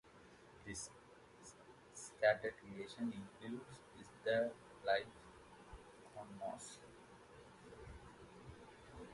His theatre creations include Is There Life on Mars?